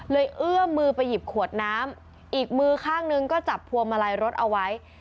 เอื้อมมือไปหยิบขวดน้ำอีกมือข้างนึงก็จับพวงมาลัยรถเอาไว้